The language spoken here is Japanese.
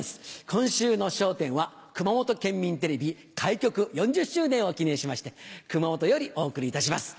今日の『笑点』は熊本県民テレビ開局４０周年を記念しまして熊本よりお送りいたします。